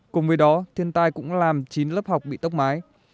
cùng với đó thiên tai cũng làm chín lớp học bị tốc mái